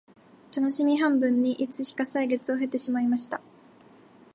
たのしみ半分にいつしか歳月を経てしまいました